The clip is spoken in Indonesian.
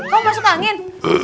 kamu masuk angin